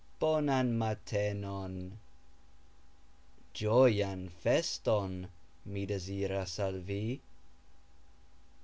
Bonan matenon! Gxojan feston (mi deziras al vi).